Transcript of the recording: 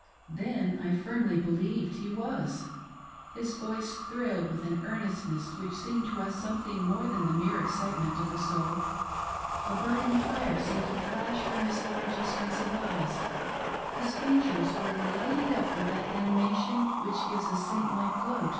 Then I firmly believed he was. His voice thrilled with an earnestness which seemed to us something more than the mere excite ment of the soul. A burning fire seemed to flash from his large, expressive eyes ; his features were lighted up with that animation which gives a saint like halo to